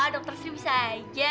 dokter sri bisa aja